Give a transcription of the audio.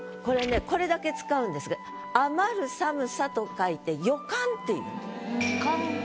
これねこれだけ使うんですが「余る寒さ」と書いて「余寒」っていうの。